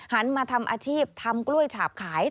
หันมาทำอาชีพทำกล้วยฉาบขาย